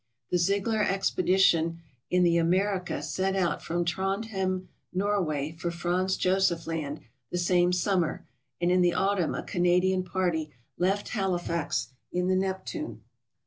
The Ziegler expedition in the "America" set out from Trondhjem, Norway, for Franz Josef Land the same summer, and in the autumn a Canadian party left Halifax in the "Neptune."